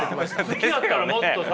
好きだったらもっとさ。